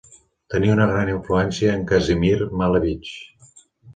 Tenia una gran influència en Kazimir Malevich.